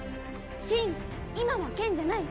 信今は剣じゃない。